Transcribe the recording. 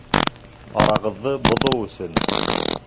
Арағыҙҙы боҙоу өсөн.